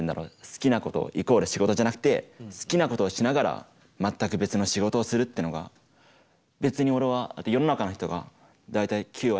好きなことイコール仕事じゃなくて好きなことをしながら全く別の仕事をするっていうのが別に俺は世の中の人が大体９割ぐらい多分それだと思うし。